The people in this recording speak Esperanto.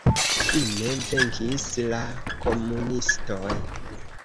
Fine venkis la komunistoj.